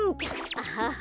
アハハ！